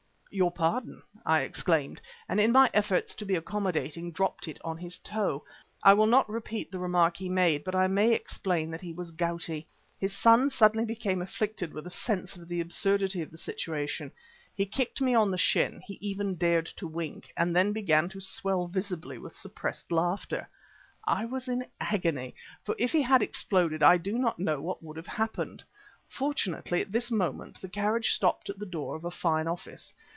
"Your pardon," I exclaimed, and in my efforts to be accommodating, dropped it on his toe. I will not repeat the remark he made, but I may explain that he was gouty. His son suddenly became afflicted with a sense of the absurdity of the situation. He kicked me on the shin, he even dared to wink, and then began to swell visibly with suppressed laughter. I was in agony, for if he had exploded I do not know what would have happened. Fortunately, at this moment the carriage stopped at the door of a fine office.